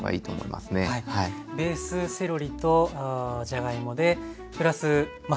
ベースセロリとじゃがいもでプラスまあ